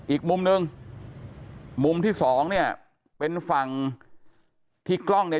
อีกมุมหนึ่งมุมที่สองเนี่ยเป็นฝั่งที่กล้องเนี่ย